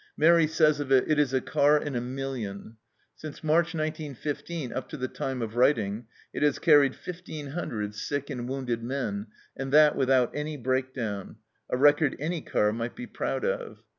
Mairi says of it, "It is a car in a million." Since March, 1915, up to the time of writing, it has carried 1,500 sick and wounded men, and that without any break down a record any car might be proud of.